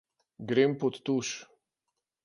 Grem pod tuš.